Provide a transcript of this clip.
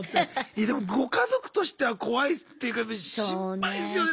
いやでもご家族としては怖いっていうか心配ですよね